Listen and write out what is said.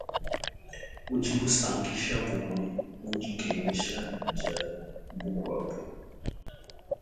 Udi usankisha, bumue mu dikengesha dia mukuabu.